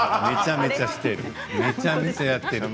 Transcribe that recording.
めちゃめちゃやっている。